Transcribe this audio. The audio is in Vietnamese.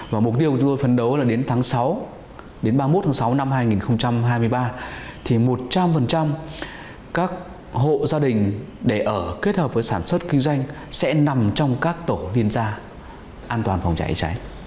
và mục tiêu chúng tôi phấn đấu là đến tháng sáu đến ba mươi một tháng sáu năm hai nghìn hai mươi ba thì một trăm linh các hộ gia đình để ở kết hợp với sản xuất kinh doanh sẽ nằm trong các tổ liên gia an toàn phòng cháy cháy